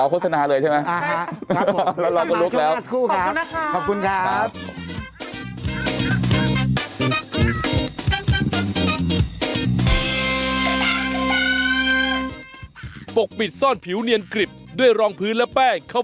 เอาโฆษณาเลยใช่ไหมครับผมเรารอกูลุกแล้วขอบคุณนะครับ